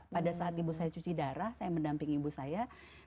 pada saat ibu saya cuci darah saya mendampingi ibu saya